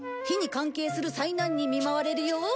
火に関係する災難に見舞われるよ。